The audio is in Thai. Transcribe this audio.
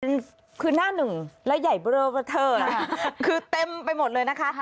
มันคือหน้าหนึ่งและใหญ่เบลอเวอร์เทอร์คือเต็มไปหมดเลยนะคะ